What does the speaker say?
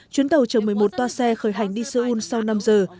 chuyến tàu chở một mươi một toa xe khởi hành đi seoul sau năm giờ